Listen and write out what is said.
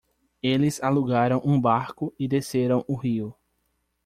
Eles alugaram um barco e desceram o rio.